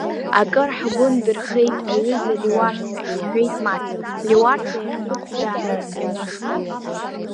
Акыр ҳгәы ндырхеит, аҩыза Леуарса, — иҳәеит Мац, Леуарса иахь ԥыҭк даанаскьаны.